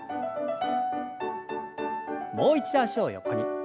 もう一度脚を横に。